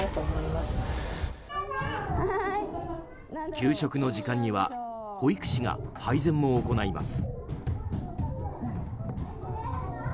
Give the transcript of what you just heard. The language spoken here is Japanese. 給食の時間には保育士が配膳も行います。